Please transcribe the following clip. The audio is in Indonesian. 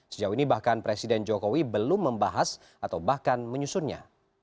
sejauh ini bahkan presiden jokowi belum membahas atau bahkan menyusunnya